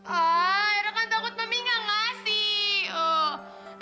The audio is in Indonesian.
ah era kan takut mami nggak ngasih